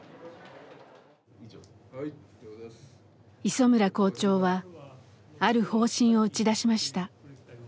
磯村校長はある方針を打ち出しました。